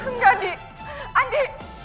enggak di andi